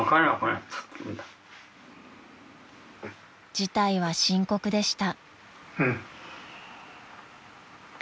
［事態は深刻でした］